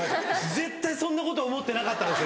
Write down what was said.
絶対そんなこと思ってなかったでしょ